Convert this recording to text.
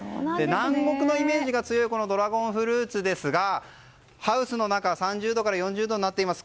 南国のイメージが強いドラゴンフルーツですがハウスの中は３０度から４０度になっています。